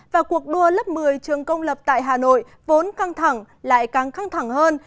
và cuộc đua lớp một mươi trường công lập tại hà nội vốn căng thẳng lại càng căng thẳng hơn